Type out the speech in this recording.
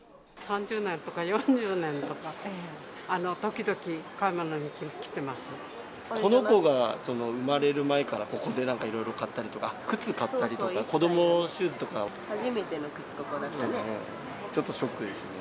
３０年とか４０年とか、この子が生まれる前から、ここでなんか、いろいろ買ったりとか、靴買ったりとか、子どもシ初めての靴、ここだったね。